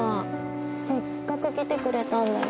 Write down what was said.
せっかく来てくれたんだよ。